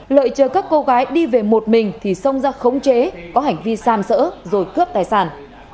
lợi chờ các cô gái đi về một mình thì xông ra khống chế có hành vi xam sỡ rồi cướp tài sản